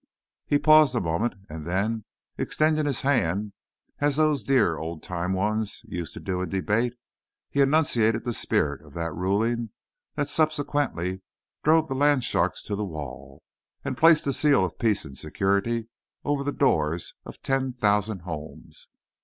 He paused a moment, and then, extending his hand as those dear old time ones used to do in debate, he enunciated the spirit of that Ruling that subsequently drove the land sharks to the wall, and placed the seal of peace and security over the doors of ten thousand homes.